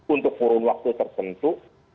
untuk kurun waktu tertentu